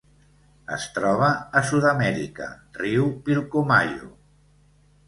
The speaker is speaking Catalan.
Es troba a Sud-amèrica: riu Pilcomayo.